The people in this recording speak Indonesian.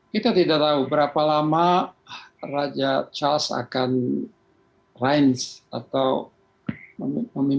kita tidak tahu berapa lama raja charles akan rins atau memimpin